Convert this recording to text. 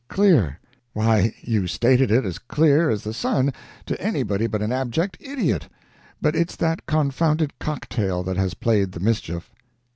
Clear! Why, you stated it as clear as the sun to anybody but an abject idiot; but it's that confounded cocktail that has played the mischief."